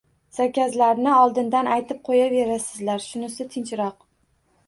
Zakazlarni oldindan aytib qoʻyaverasizlar, shunisi tinchroq.